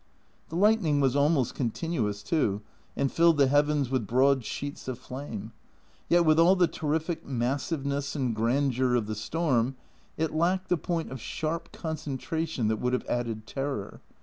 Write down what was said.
The lightning was almost continuous, too, and filled the heavens with broad sheets of flame. Yet with all the terrific massiveness and grandeur of the storm, it lacked the point of sharp concentration that would have added terror.